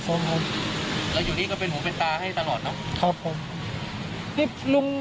คนนี้ไม่ค่อยเห็นครับ